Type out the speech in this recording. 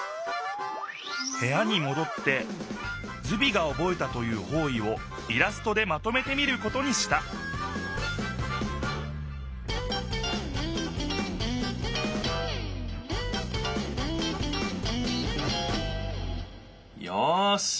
へやにもどってズビがおぼえたという方位をイラストでまとめてみることにしたよしできた！